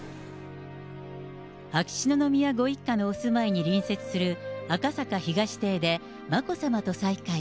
秋篠宮ご一家のお住まいに隣接する赤坂東邸で、眞子さまと再会。